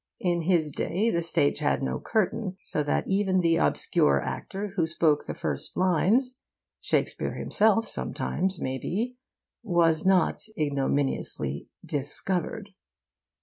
In his day, the stage had no curtain, so that even the obscure actor who spoke the first lines (Shakespeare himself sometimes, maybe) was not ignominiously 'discovered.